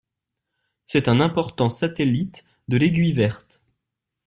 C'est un important satellite de l'aiguille Verte.